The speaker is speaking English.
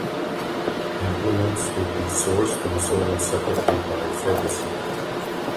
Implements would be sourced and sold separately by Ferguson.